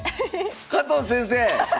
⁉加藤先生！